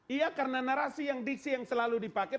iya karena narasi yang selalu dipakai